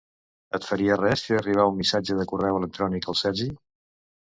Et faria res fer arribar un missatge de correu electrònic al Sergi?